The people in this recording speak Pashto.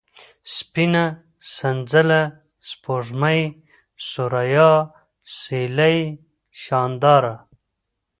سپينه ، سنځله ، سپوږمۍ ، سوریا ، سېلۍ ، شانداره